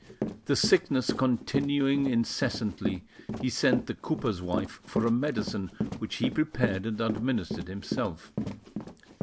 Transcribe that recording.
The sickness continuing incessantly, he sent the cooper's wife for a medicine which he prepared and administered himself.